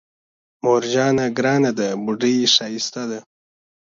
مور جانه ګرانه ده بوډۍ ښايسته ده